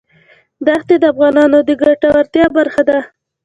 دښتې د افغانانو د ګټورتیا برخه ده.